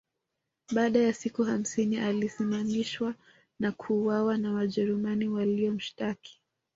Baada ya siku hamsini alisimamishwa na kuuawa na Wajerumani waliomshtaki